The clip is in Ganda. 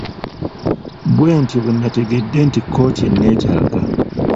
Bwentyo bwe nategedde nti kkooti enneetaaga.